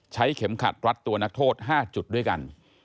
เข็มขัดรัดตัวนักโทษ๕จุดด้วยกัน